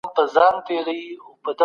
خپل مالونه په پاکه لاره وګټئ.